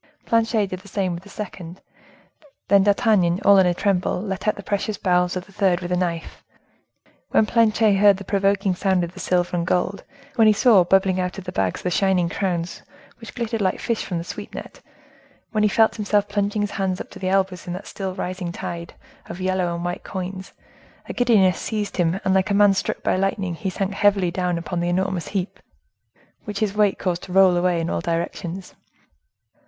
Planchet did the same with the second; then D'Artagnan, all in a tremble, let out the precious bowels of the third with a knife. When Planchet heard the provoking sound of the silver and gold—when he saw bubbling out of the bags the shining crowns, which glittered like fish from the sweep net—when he felt himself plunging his hands up to the elbows in that still rising tide of yellow and white coins, a giddiness seized him, and like a man struck by lightning, he sank heavily down upon the enormous heap, which his weight caused to roll away in all directions.